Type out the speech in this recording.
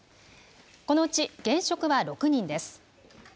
このうち現職は６人です。